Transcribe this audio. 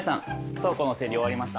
倉庫の整理終わりました。